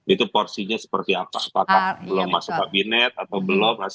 itu porsinya seperti apa apakah belum masuk kabinet atau belum